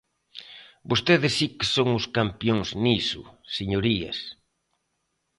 Vostedes si que son os campións niso, señorías.